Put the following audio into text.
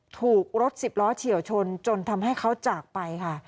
ถูกรถสิบล้อเฉียวชนจนทำให้เขาจากไปค่ะ